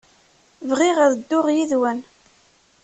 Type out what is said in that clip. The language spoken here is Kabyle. Bɣiɣ ad dduɣ yid-wen.